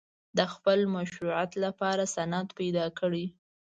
د خپل مشروعیت لپاره سند پیدا کړي.